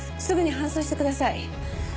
すぐに搬送してください。